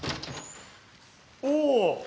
おお！